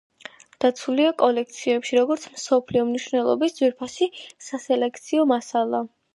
დაცულია კოლექციებში, როგორც მსოფლიო მნიშვნელობის ძვირფასი სასელექციო მასალა.